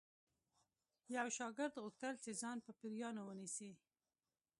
یو شاګرد غوښتل چې ځان په پیریانو ونیسي